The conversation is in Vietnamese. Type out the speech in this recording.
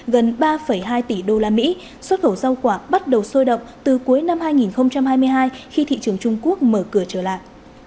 gần ba hai tỷ usd xuất khẩu rau quả bắt đầu sôi động từ cuối năm hai nghìn hai mươi hai khi thị trường trung quốc mở cửa trở lại